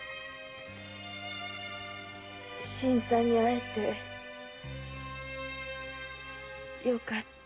新さんに会えてよかった。